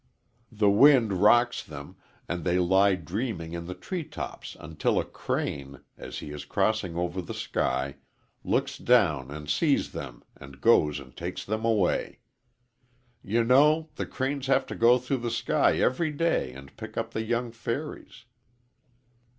The wind rocks them and they lie dreaming in the tree tops until a crane, as he is crossing over the sky, looks down and sees them and goes and takes them away. You know the cranes have to go through the sky every day and pick up the young fairies."